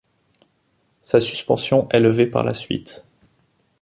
Sa suspension est levée par la suite.